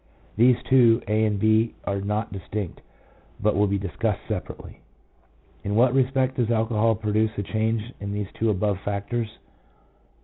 2 These two, (a) and (#), are not distinct, but will be discussed separately. In what respect does alcohol produce a change in these two above factors